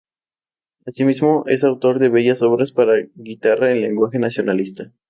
Así mismo es autor de bellas obras para guitarra en lenguaje nacionalista.